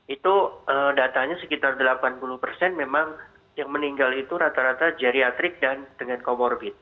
itu datanya sekitar delapan puluh persen memang yang meninggal itu rata rata geriatrik dan dengan comorbid